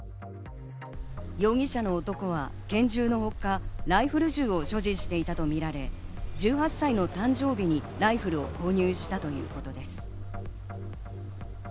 容疑者の男は拳銃のほか、ライフル銃を所持していたとみられ、１８歳の誕生日にライフルを購入したということです。